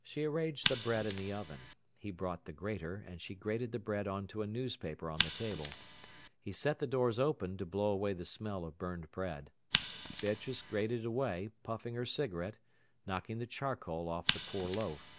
She arranged the bread in the oven. He brought the grater, and she grated the bread on to a newspaper on the table. He set the doors open to blow away the smell of burned bread. Beatrice grated away, puffing her cigarette, knocking the charcoal off the poor loaf.